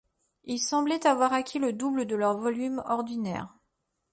Ils semblaient avoir acquis le double de leur volume ordinaire.